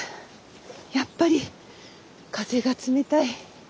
やっぱり風が冷たい。